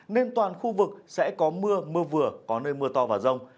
nên toàn khu vực sẽ có mưa mưa vừa có nơi mưa to và rông